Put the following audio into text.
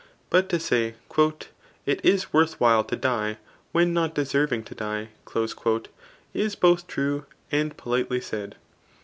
But to say, <^ It is worth while to die, when not deserving to die," is both true, and po litely said.